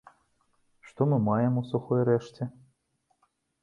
Што мы маем у сухой рэшце?